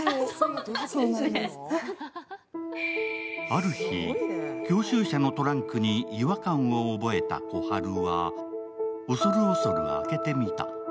ある日、教習車のトランクに違和感を覚えた小春は恐る恐る開けてみた。